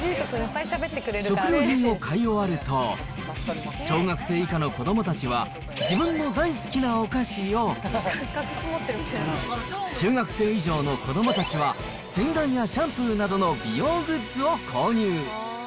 食料品を買い終わると、小学生以下の子どもたちは、自分の大好きなお菓子を、中学生以上の子どもたちは、洗顔やシャンプーなどの美容グッズを購入。